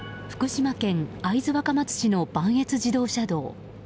福島県会津若松市の磐越自動車道。